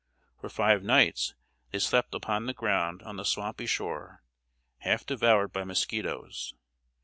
For five nights they slept upon the ground on the swampy shore, half devoured by musquitoes.